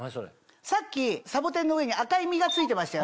さっきサボテンの上に赤い実がついてましたよね。